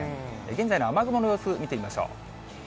現在の雨雲の様子見てみましょう。